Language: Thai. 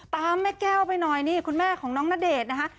แม่แก้วไปหน่อยนี่คุณแม่ของน้องณเดชน์นะคะ